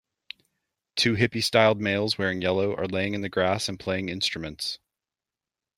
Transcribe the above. Two hippie styled males wearing yellow are laying in the grass and playing instruments.